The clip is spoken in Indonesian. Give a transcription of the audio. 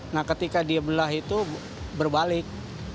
nah ketika dia belah itu berbalik